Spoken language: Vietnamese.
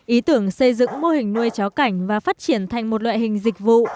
ý tưởng xây dựng mô hình nuôi chó cảnh và phát triển thành một loại hình dịch vụ